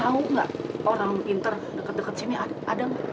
tau gak orang pintar deket deket sini ada gak